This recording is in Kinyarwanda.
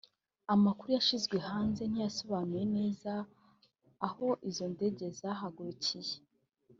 Amakuru yashyizwe hanze ntiyasobanuye neza aho izo ndege zahagurukiye